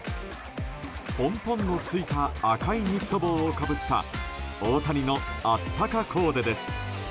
ポンポンのついた赤いニット帽をかぶった大谷のあったかコーデです。